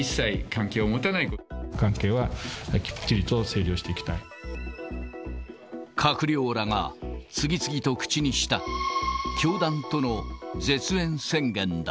関係はきっちりと整理をして閣僚らが次々と口にした、教団との絶縁宣言だ。